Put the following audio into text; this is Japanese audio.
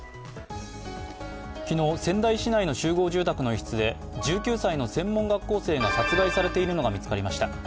昨日、仙台市内の集合住宅の一室で１９歳の専門学校生が殺害されているのが見つかりました。